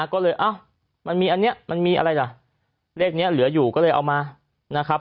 ก็เลยเอ้ามันมีอันนี้มันมีอะไรล่ะเลขนี้เหลืออยู่ก็เลยเอามานะครับ